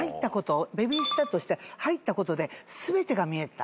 ベビーシッターとして入ったことで全てが見えた。